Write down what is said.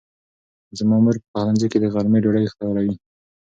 زما مور په پخلنځي کې د غرمې ډوډۍ تیاروي.